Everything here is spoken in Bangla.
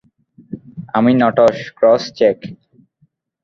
আশি নটস, ক্রস চেক।